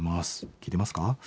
聴いてますか？